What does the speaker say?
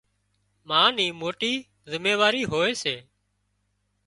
ما ني موٽي زميواري هوئي سي